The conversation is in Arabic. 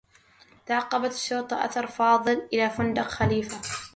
تعقّبت الشّرطة أثر فاضل إلى فندق خليفة.